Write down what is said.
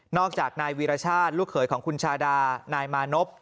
จากนายวีรชาติลูกเขยของคุณชาดานายมานพ